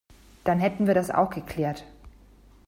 Dann hätten wir das auch geklärt.